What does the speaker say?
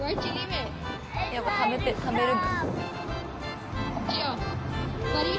やっぱためてためるんだ。